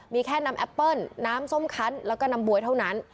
มีแค่น้ำแอปเปิ้ลน้ำส้มคันแล้วก็น้ำบ๊วยเท่านั้น